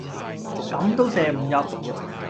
咁都射唔入